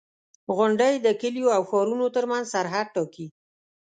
• غونډۍ د کليو او ښارونو ترمنځ سرحد ټاکي.